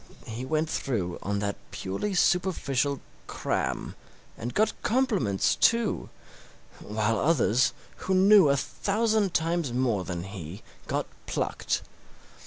He went through on that purely superficial 'cram', and got compliments, too, while others, who knew a thousand times more than he, got plucked.